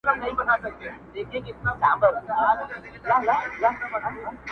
o و تاسو ته يې سپين مخ لارښوونکی، د ژوند.